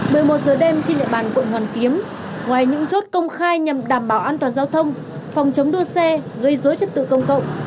một mươi một giờ đêm trên địa bàn quận hoàn kiếm ngoài những chốt công khai nhằm đảm bảo an toàn giao thông phòng chống đua xe gây dối chất tự công cộng